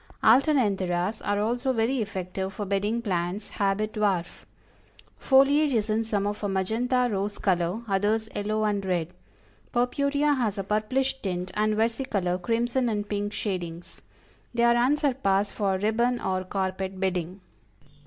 ALTERNANTHERAS are also very effective for bedding plants; habit dwarf. Foliage is in some of a magenta rose color, others, yellow and red; Purpurea has a purplish tint, and Versicolor, crimson and pink shadings. They are unsurpassed for ribbon or carpet bedding.